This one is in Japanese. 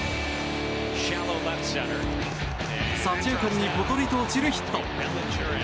左中間にポトリと落ちるヒット。